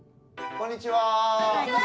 こんにちは！